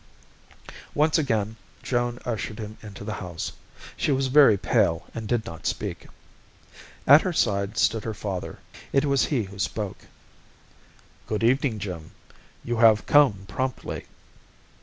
Once again, Joan ushered him into the house. She was very pale and did not speak. At her side stood her father. It was he who spoke. "Good evening, Jim. You have come promptly."